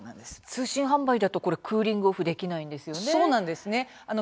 通信販売だとクーリング・オフできないということでしたよね。